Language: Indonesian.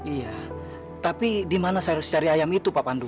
iya tapi di mana saya harus cari ayam itu pak pandu